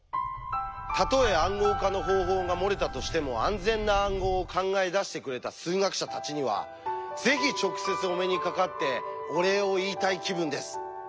たとえ「暗号化の方法」が漏れたとしても安全な暗号を考え出してくれた数学者たちにはぜひ直接お目にかかってお礼を言いたい気分です。